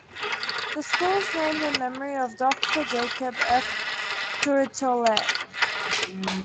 The school is named in memory of Doctor Jacob F. Tourtellotte.